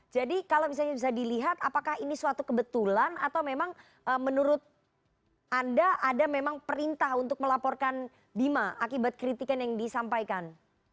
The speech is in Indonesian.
jadi kalau misalnya bisa dilihat apakah ini suatu kebetulan atau memang menurut anda ada memang perintah untuk melaporkan bima akibat kritikan yang disampaikan